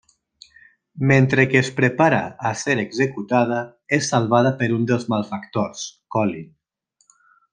Mentre que es prepara a ser executada, és salvada per un dels malfactors, Colin.